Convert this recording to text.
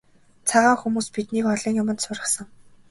Цагаан хүмүүс биднийг олон юманд сургасан.